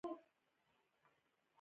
ملي ارزښتونه لومړیتوب لري